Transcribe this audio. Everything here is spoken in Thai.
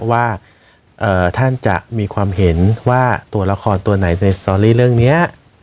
ว่าท่านจะมีความเห็นว่าตัวละครตัวไหนในสตอรี่เรื่องนี้